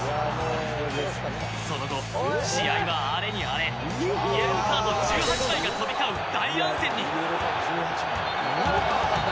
その後、試合は荒れに荒れイエローカード１８枚が飛び交う大乱戦に。